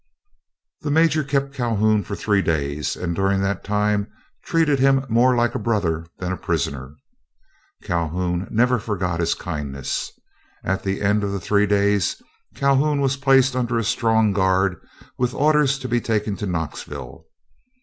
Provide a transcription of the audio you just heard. The major kept Calhoun for three days, and during that time treated him more like a brother than a prisoner. Calhoun never forgot his kindness. At the end of the three days Calhoun was placed under a strong guard with orders to be taken to Knoxville.